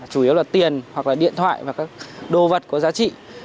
chủ yếu là tiền hoặc là điện thoại và các đồ vật có giá trị